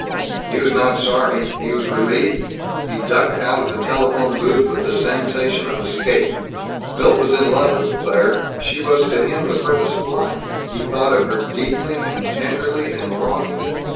He was not sorry. He was relieved. He ducked out of the telephone booth with a sensation of escape. Milt was in love with Claire; she was to him the purpose of life; he thought of her deeply and tenderly and longingly.